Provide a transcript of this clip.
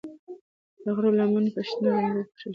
د غرو لمنې په شنه رنګ پوښل شوې دي.